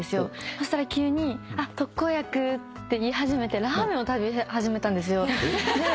そしたら急に「あっ特効薬」って言い始めてラーメンを食べ始めたんですよ。